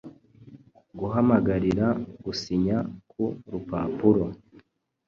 guhamagarira gusinya ku rupapuro